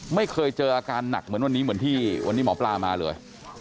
ไม่เคยเจออาการหนักเหมือนวันนี้เหมือนที่วันนี้หมอปลามาเลย